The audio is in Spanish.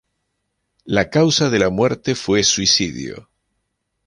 La causa de la muerte fue suicidio.